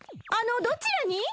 あのどちらに？